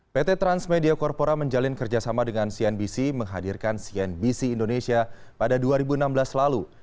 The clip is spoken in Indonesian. pt transmedia korpora menjalin kerjasama dengan cnbc menghadirkan cnbc indonesia pada dua ribu enam belas lalu